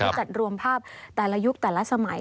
จัดรวมภาพแต่ละยุคแต่ละสมัย